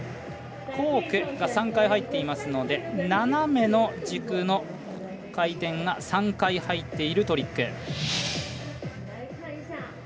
コークが３回入っていますので斜めに軸の回転が３回入っているトリック。